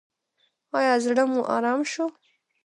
ایا زړه مو ارام شو؟